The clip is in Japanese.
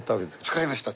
使いました